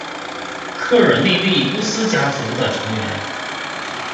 科尔内利乌斯家族的成员。